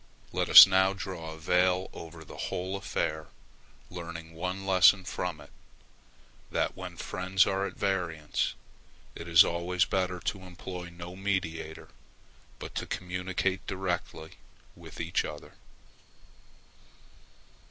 Let us now draw a veil over the whole affair, learning one lesson from it, that when friends are at variance, it is always better to employ no mediator, but to communicate directly with each other.